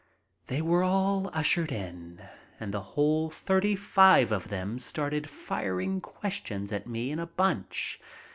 They were all ushered in and the whole thirty five of them started firing questions at me in a bunch.